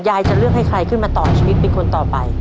จะเลือกให้ใครขึ้นมาต่อชีวิตเป็นคนต่อไป